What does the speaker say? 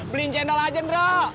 beliin cendol aja druk